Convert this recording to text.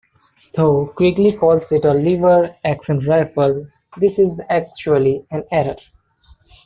Though Quigley calls it a lever-action rifle, this is actually an error.